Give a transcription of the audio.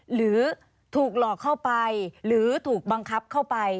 หรือถูกหลอกเข้าไปหรือถูกบังคับเข้าไป